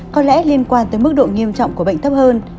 có lẽ liên quan tới mức độ nghiêm trọng của bệnh thấp hơn